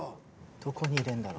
どこに入れるんだろう？